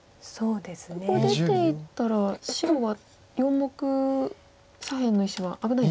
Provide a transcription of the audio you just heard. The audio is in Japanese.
ここ出ていったら白は４目左辺の石は危ないんですか？